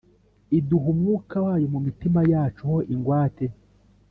iduha Umwuk wayo mu mitima yacu ho ingwate.